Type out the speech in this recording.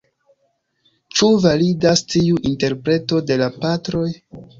Ĉu validas tiu interpreto de la Patroj?